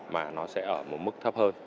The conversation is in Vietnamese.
mà nó sẽ ở một mức thấp hơn